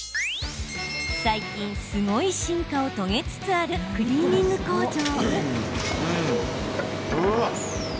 最近、すごい進化を遂げつつあるクリーニング工場。